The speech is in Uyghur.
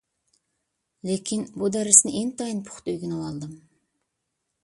لېكىن، بۇ دەرسنى ئىنتايىن پۇختا ئۆگىنىۋالدىم.